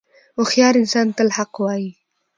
• هوښیار انسان تل حق وایی.